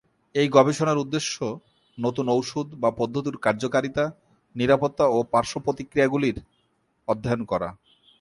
এই গবেষণার উদ্দেশ্য নতুন ঔষধ বা পদ্ধতির কার্যকারিতা, নিরাপত্তা ও পার্শ্ব-প্রতিক্রিয়াগুলি অধ্যয়ন করা।